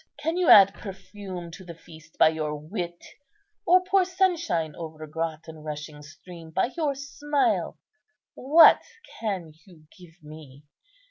Can you add perfume to the feast by your wit, or pour sunshine over grot and rushing stream by your smile? What can you give me?